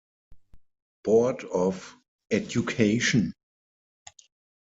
Board of Education.